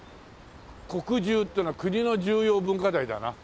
「国重」っていうのは国の重要文化財だな。